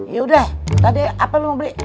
yaudah tadi apa lo mau beli